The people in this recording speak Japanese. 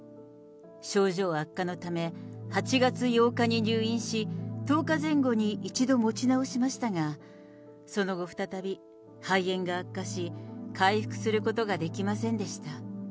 症状悪化のため、８月８日に入院し、１０日前後に一度持ち直しましたが、その後、再び肺炎が悪化し、回復することができませんでした。